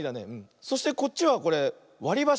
そしてこっちはこれわりばし。